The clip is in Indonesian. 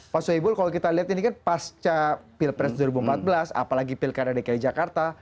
pak soebul kalau kita lihat ini kan pasca pilpres dua ribu empat belas apalagi pilkada dki jakarta